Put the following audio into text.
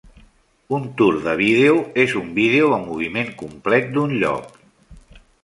Un tour de vídeo és un vídeo en moviment complet d'un lloc.